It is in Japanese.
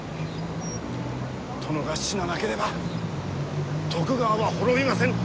殿が死ななければ徳川は滅びませぬ。